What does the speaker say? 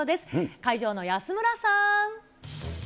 会場の安村さん。